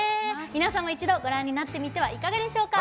皆さんも一度ご覧になってみてはいかがでしょうか。